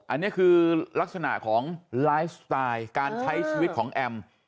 อันนี้คือลักษณะของไลฟ์สไตล์การใช้ชีวิตของแอม